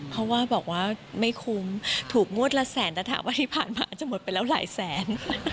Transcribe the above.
เพราะว่าบอกว่าไม่คุ้มถูกงวดละแสนแต่ถามว่าที่ผ่านมาจะหมดไปแล้วหลายแสน